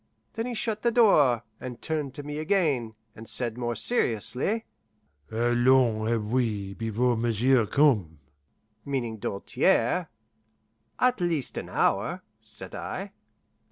Then he shut the door, and turned to me again, and said more seriously, "How long have we before Monsieur comes?" meaning Doltaire. "At least an hour," said I.